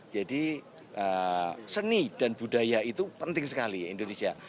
jadi seni dan budaya itu penting sekali indonesia